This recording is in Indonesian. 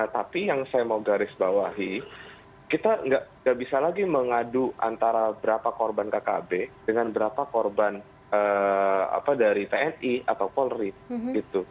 tapi yang saya mau garis bawahi kita nggak bisa lagi mengadu antara berapa korban kkb dengan berapa korban dari tni atau polri gitu